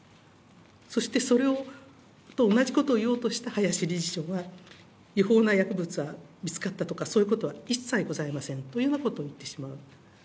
そしてそれと同じことを言おうとした林理事長は違法な薬物は見つかったとか、そういうことは一切ございませんというようなことを言ってしまう。